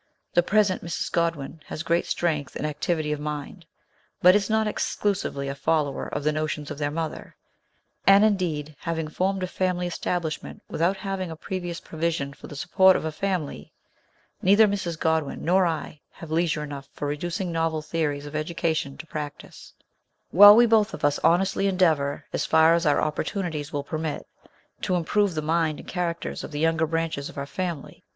The present Mrs. Godwin has great strength and activity of mind, but is not exclu sively a follower of the notions of their mother ; and, indeed, having formed a family establishment without having a previous provision for the support of a family, neither Mrs. Godwin nor I have leisure enough for reducing novel theories of education to practice ; while we both of us honestly endeavour, as far as our opportunities will permit, to improve the mind and characters of the younger branches of our family.